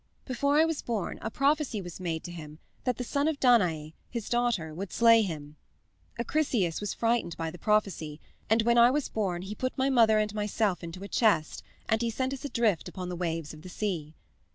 Before I was born a prophecy was made to him that the son of Danae, his daughter, would slay him. Acrisius was frightened by the prophecy, and when I was born he put my mother and myself into a chest, and he sent us adrift upon the waves of the sea.